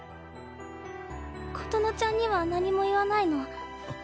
琴乃ちゃんには何も言わないの？